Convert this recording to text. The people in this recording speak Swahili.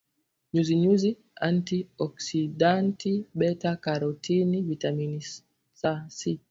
nyuzinyuzi anti oksidanti beta karotini vitamini c